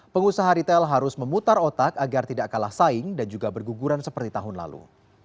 pengusaha retail harus memutar otak agar tidak kalah saing dan juga berguguran seperti tahun lalu